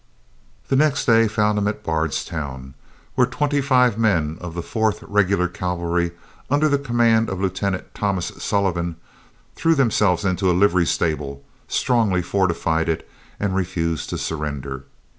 The next day found him at Bardstown, where twenty five men of the Fourth Regular Cavalry, under the command of Lieutenant Thomas Sullivan, threw themselves into a livery stable, strongly fortified it, and refused to surrender.